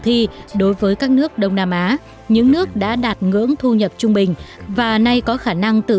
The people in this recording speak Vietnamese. thi đối với các nước đông nam á những nước đã đạt ngưỡng thu nhập trung bình và nay có khả năng từ